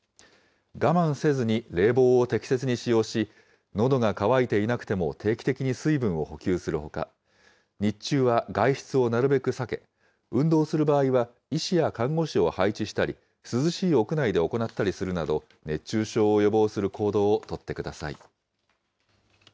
我慢せずに冷房を適切に使用し、のどが渇いていなくても定期的に水分を補給するほか、日中は外出をなるべく避け、運動する場合は、医師や看護師を配置したり、涼しい屋内で行ったりするなど、熱中症を予防する行動を取ってください。